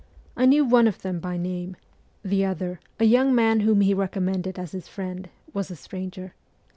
I knew one of them by name ; the other, a young man whom he recommended as his friend, was a stranger.